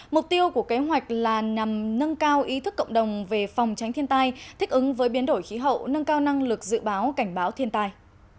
mục tiêu của kế hoạch là nhằm nâng cao ý thức cộng đồng về phòng tránh thiên tai thích ứng với biến đổi khí hậu nâng cao năng lực dự báo cảnh báo thiên tai